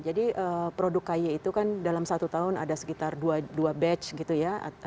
jadi produk kayi itu kan dalam satu tahun ada sekitar dua batch gitu ya